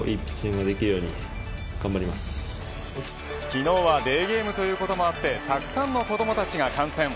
昨日はデーゲームということもあってたくさんの子どもたちが観戦。